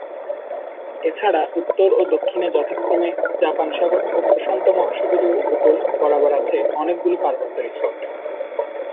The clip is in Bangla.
এছাড়া উত্তর ও দক্ষিণে যথাক্রমে জাপান সাগর ও প্রশান্ত মহাসাগরীয় উপকূল বরাবর আছে অনেকগুলি পার্বত্য রিসর্ট।